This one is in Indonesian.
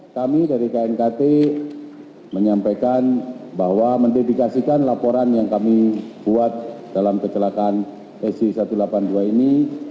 kami dari knkt menyampaikan bahwa mendedikasikan laporan yang kami buat dalam kecelakaan sj satu ratus delapan puluh dua ini